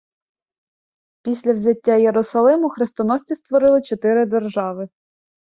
Після взяття Єрусалиму хрестоносці створили чотири держави.